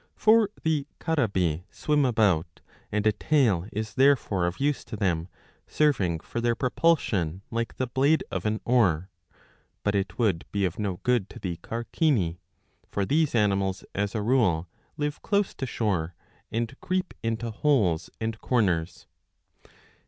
For the Carabi swim about, and a tail is there fore of use to them, serving for their propulsion like the blade of an oar. But it would be of no good to the Carcini ; for these animals as a rule live close to shore, and creep into holes and corners.